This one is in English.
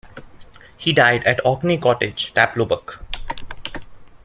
He died at Orkney Cottage Taplow Buck.